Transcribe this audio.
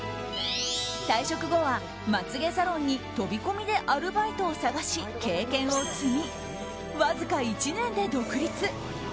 退職後はまつ毛サロンに飛び込みでアルバイトを探し経験を積み、わずか１年で独立。